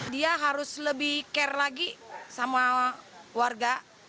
dia harus lebih care lagi sama warga